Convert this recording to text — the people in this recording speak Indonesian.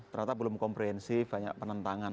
ternyata belum komprehensif banyak penentangan